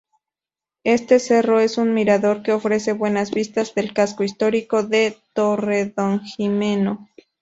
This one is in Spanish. Este cerro es un mirador que ofrece buenas vistas del casco histórico de Torredonjimeno.